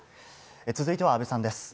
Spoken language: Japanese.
続いては阿部さんです。